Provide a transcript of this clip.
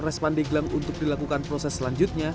respandeglang untuk dilakukan proses selanjutnya